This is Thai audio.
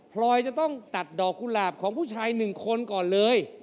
พลอยจะต้องตัดดอกกุหลาบของผู้ชายหนึ่งคนก่อนเลย